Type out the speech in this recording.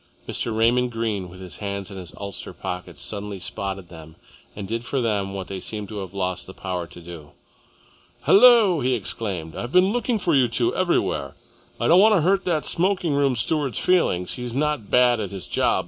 Mr. Raymond Greene, with his hands in his ulster pockets, suddenly spotted them and did for them what they seemed to have lost the power to do. "Hullo!" he exclaimed. "I've been looking for you two everywhere. I don't want to hurt that smoking room steward's feelings. He's not bad at his job.